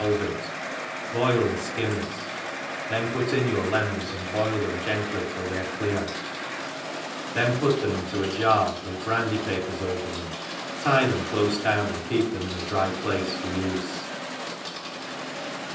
«3J /olve it, boil and fktm it, then put in your lenions, and boil them gently till they are clear^^ tj^en pi|t tbeminto ajar with brandy papefs over 5 jtie tnem clofe dpwn, and keep theni in a dry place for ufe.